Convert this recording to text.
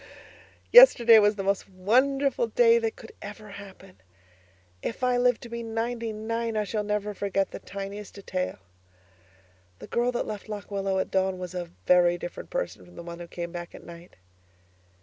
Yesterday was the most wonderful day that could ever happen. If I live to be ninety nine I shall never forget the tiniest detail. The girl that left Lock Willow at dawn was a very different person from the one who came back at night.